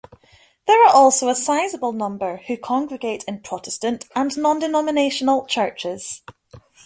There are also a sizable number who congregate in Protestant and non-denominational churches.